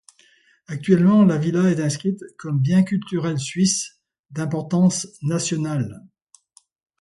Actuellement, la villa est inscrite comme bien culturel suisse d'importance nationale.